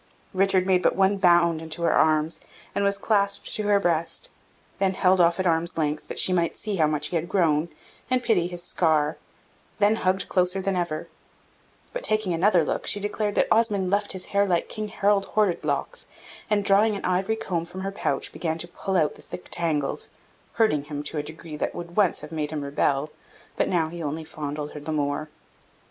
Richard made but one bound into her arms, and was clasped to her breast; then held off at arm's length, that she might see how much he was grown, and pity his scar; then hugged closer than ever: but, taking another look, she declared that Osmond left his hair like King Harald Horrid locks; and, drawing an ivory comb from her pouch, began to pull out the thick tangles, hurting him to a degree that would once have made him rebel, but now he only fondled her the more.